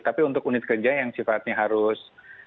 tapi untuk unit kerja yang sifatnya harus